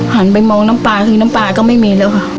หันไปมองน้ำปลาคือน้ำปลาก็ไม่มีแล้วค่ะ